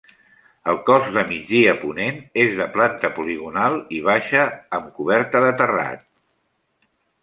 El cos de migdia ponent és de planta poligonal i baixa amb coberta de terrat.